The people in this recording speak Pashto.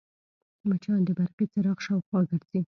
مچان د برقي څراغ شاوخوا ګرځي